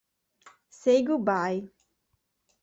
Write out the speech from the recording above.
Say Goodbye